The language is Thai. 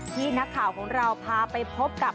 ที่นักข่าวของเราพาไปพบกับ